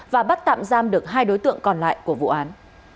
và bắt tạm giam được hai đối tượng còn lại của vụ án